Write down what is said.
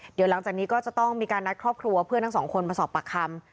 เดี๋ยวหลังจากนี้ก็จะต้องมีการนัดครอบครัวเพื่อนทั้งสองคนมาสอบปากคำ